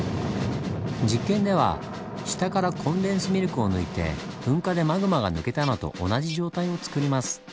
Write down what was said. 実験では下からコンデンスミルクを抜いて噴火でマグマが抜けたのと同じ状態をつくります。